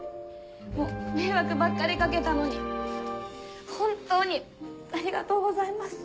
迷惑ばっかり掛けたのに本当にありがとうございます。